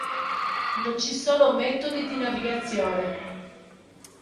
Non ci sono metodi di navigazione.